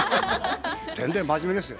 全然真面目ですよ。